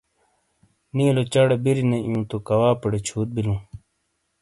نیلو چہ ڑے بِیری نے ایوں تو کواپیڑے چھوت بِلوں۔